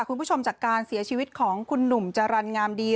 คุณผู้ชมจากการเสียชีวิตของคุณหนุ่มจรรย์งามดี